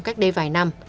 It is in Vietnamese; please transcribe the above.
cách đây vài năm